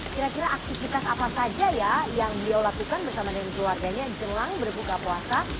kira kira aktivitas apa saja ya yang beliau lakukan bersama dengan keluarganya jelang berbuka puasa